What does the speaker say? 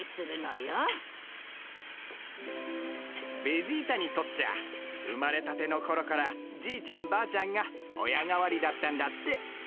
ベジータにとっちゃ生まれたての頃からじいちゃんばあちゃんが親代わりだったんだって。